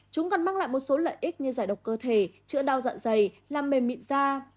chúng còn mang lại một số lợi ích như giải độc cơ thể chữa đau dạ dày làm mềm mịn da